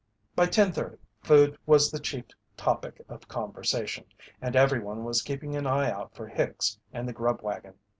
By ten thirty food was the chief topic of conversation, and everyone was keeping an eye out for Hicks and the "grub wagon."